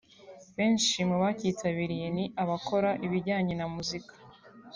Benshi mu bacyitabiriye ni abakora ibijyanye na muzika